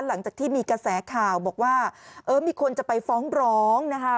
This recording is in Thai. หลังจากที่มีกระแสข่าวบอกว่าเออมีคนจะไปฟ้องร้องนะคะ